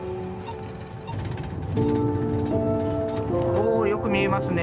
おおよく見えますね